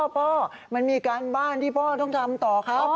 พ่อมันมีการบ้านที่พ่อต้องทำต่อครับ